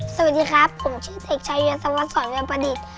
สวัสดีครับผมชื่อเด็กชายสมสรวิรประดิษฐ์